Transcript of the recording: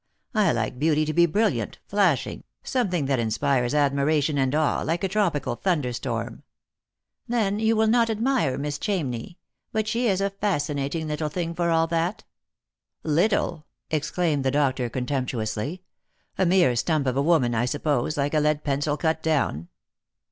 I like beauty to be brilliant, flashing, something that inspires admiration and awe, like a tropical thunderstorm." " Then you will not admire Miss Chamney. But she is a fascinating little thing, for all that." " Little !" exclaimed the doctor contemptuously, " a mere stump of a woman, I suppose, like a lead pencil cut down."